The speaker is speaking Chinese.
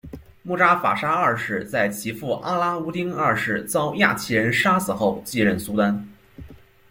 慕扎法沙二世在其父阿拉乌丁二世遭亚齐人杀死后继任苏丹。